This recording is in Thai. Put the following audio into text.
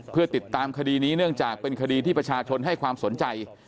เพื่อติดตามคดีนี้เนื่องจากเป็นคดีที่ประชาชนให้ความสนใจ